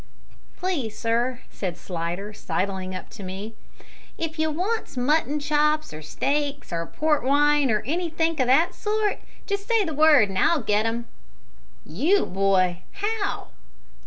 "Please, sir," said Slidder, sidling up to me, "if you wants mutton chops, or steaks, or port wine, or anythink o' that sort, just say the word and I'll get 'em." "You, boy how?"